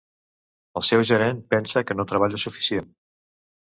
El seu gerent pensa que no treballa suficient.